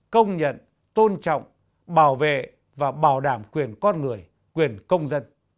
công nhận tôn trọng bảo vệ và bảo đảm quyền con người quyền công dân